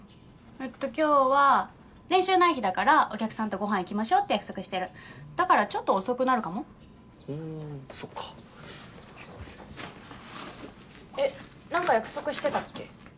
えっと今日は練習ない日だからお客さんとごはん行きましょって約束してるだからちょっと遅くなるかもおぉそっかえっ何か約束してたっけ？